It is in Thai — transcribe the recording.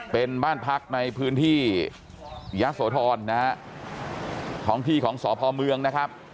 เป็นบ้านพักในพื้นที่ยะโสธรนะฮะท้องที่ของสพเมืองนะครับ